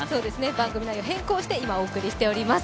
番組内容を変更して今、お送りしています。